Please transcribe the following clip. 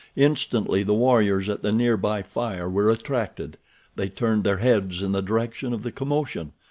Instantly the warriors at the near by fire were attracted. They turned their heads in the direction of the commotion.